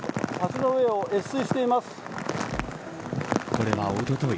これはおととい